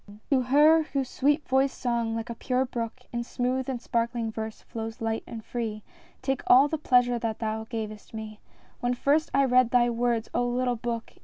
P. TO her whose sweet voiced song like a pure brook In smooth and sparkling verse flows light and free, Take all the pleasure that thou gavest me When first I read thy words, O little book